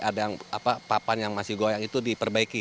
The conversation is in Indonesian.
ada yang papan yang masih goyang itu diperbaiki